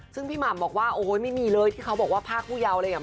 ซึ่งพี่หม่ำบอกว่าโอ้ยไม่มีเลยที่เขาบอกว่าภาคผู้เยาว์อะไรอย่างนี้